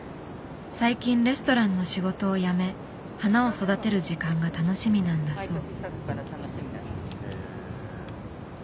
最近レストランの仕事を辞め花を育てる時間が楽しみなんだそう。